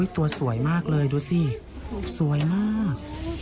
ตัวสวยมากเลยดูสิสวยมาก